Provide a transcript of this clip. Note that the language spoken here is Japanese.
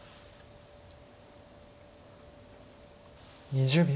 ２０秒。